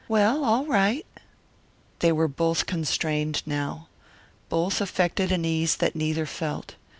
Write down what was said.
"Well, all right!" They were both constrained now. Both affected an ease that neither felt.